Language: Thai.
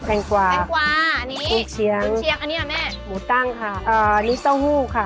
แซงกวาอันนี้ครูเชียงอันนี้ด้วยแม่นี้คือมูตั้งค่ะนี้กูเตาหู้ค่ะ